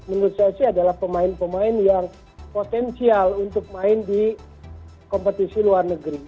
menurut saya sih adalah pemain pemain yang potensial untuk main di kompetisi luar negeri